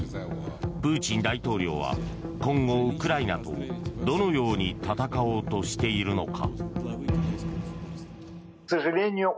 プーチン大統領は今後ウクライナとどのように戦おうとしているのか。